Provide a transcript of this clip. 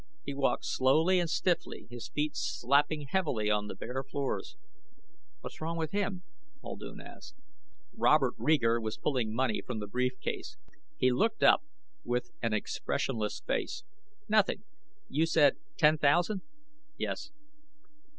He walked slowly and stiffly, his feet slapping heavily on the bare boards. "What's wrong with him?" Muldoon asked. Robert Reeger was pulling money from the brief case. He looked up with an expressionless face. "Nothing. You said ten thousand?..." "Yes."